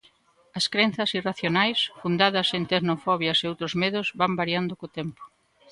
As crenzas irracionais, fundadas en tecnofobias e outros medos, van variando co tempo.